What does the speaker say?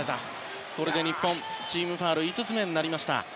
これで日本、チームファウルが５つ目になりました。